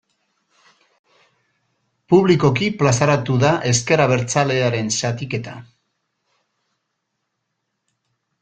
Publikoki plazaratu da ezker abertzalearen zatiketa.